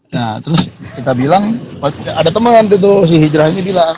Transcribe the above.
nah terus kita bilang ada teman itu si hijrah ini bilang